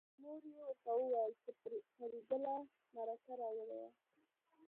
مور یې ورته وویل چې پري ګله مرکه راوړې وه